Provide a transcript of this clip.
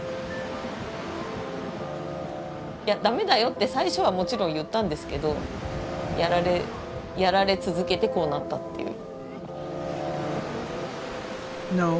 いや「駄目だよ」って最初はもちろん言ったんですけどやられ続けてこうなったっていう。